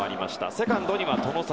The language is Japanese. セカンドには外崎。